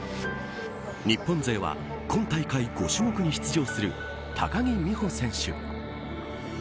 日本勢は今大会５種目に出場する高木美帆選手。